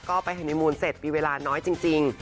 ก็ไปฮานิมูลเสร็จมีเวลาน้อยจริง